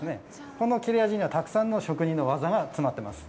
この切れ味にはたくさんの職人の技が詰まってます。